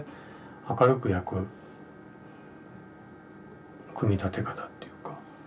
明るく焼く組み立て方っていうか